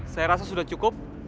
saya rasa sudah cukup